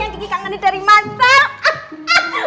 kiki kangen dari masal